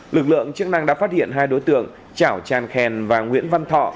lực lượng chức năng đã phát hiện hai đối tượng chảo tràn khen và nguyễn văn thọ